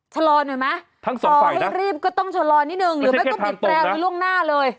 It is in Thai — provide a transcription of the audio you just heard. ชะลอนหน่อยไหมต่อให้รีบก็ต้องชะลอนนิดหนึ่งหรือไม่ก็ติดแปลวิ่งล่วงหน้าเลยทั้งสองฝ่ายนะ